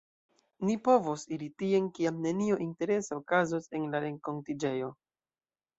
Ni povos iri tien kiam nenio interesa okazos en la renkontiĝejo.